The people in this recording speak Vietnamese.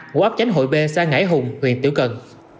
ngũ ấp chánh hội b sa ngãi hùng huyện tiểu cần